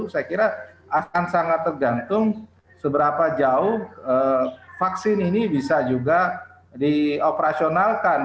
saya kira akan sangat tergantung seberapa jauh vaksin ini bisa juga dioperasionalkan